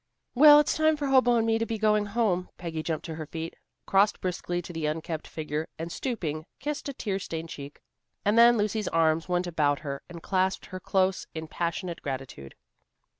"Well, it's time for Hobo and me to be going home." Peggy jumped to her feet, crossed briskly to the unkempt figure, and stooping, kissed a tear stained cheek. And then Lucy's arms went about her, and clasped her close in passionate gratitude.